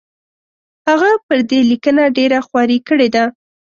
هغه پر دې لیکنه ډېره خواري کړې ده.